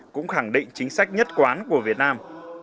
cũng khẳng định chính sách nhất quán của việt nam